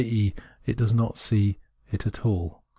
e. it does not see it at all.